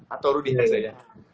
atau rudi ya saya